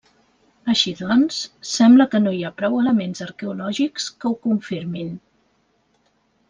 Així doncs, sembla que no hi ha prou elements arqueològics que ho confirmin.